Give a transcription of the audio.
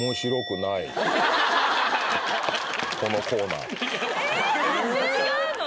このコーナーえっ違うの？